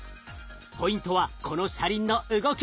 ポイントはこの車輪の動き。